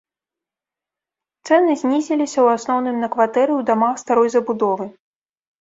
Цэны знізіліся ў асноўным на кватэры ў дамах старой забудовы.